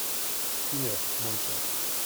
Une heure, moins le quart…